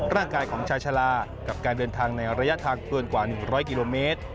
ร่างกายของชาลากับการเดินทางในระยะทางเกินกว่า๑๐๐กิโลเมตร